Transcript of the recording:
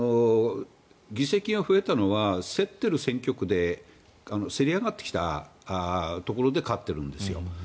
議席が増えたのは競っている選挙区で競り上がってきたところで勝っているんですよ。